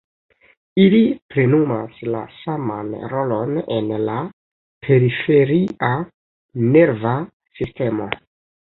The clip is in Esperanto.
Ili plenumas la saman rolon en la periferia nerva sistemo.